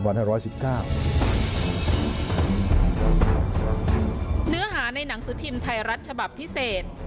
เนื้อหาในหนังสือพิมพ์ไทยรัฐฉบับพิเศษ